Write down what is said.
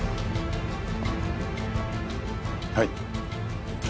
はい。